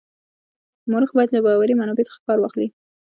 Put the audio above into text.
مورخ باید له باوري منابعو څخه کار واخلي.